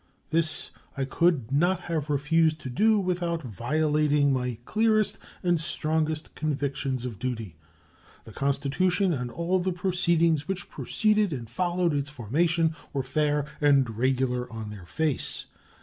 This I could not have refused to do without violating my clearest and strongest convictions of duty. The constitution and all the proceedings which preceded and followed its formation were fair and regular on their face.